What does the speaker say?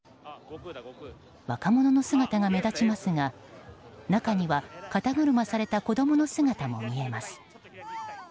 若者の姿が目立ちますが中には、肩車された子供の姿も見えます。